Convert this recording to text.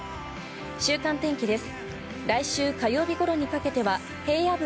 週間天気です。